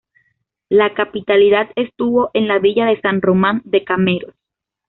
La capitalidad estuvo en la villa de San Román de Cameros.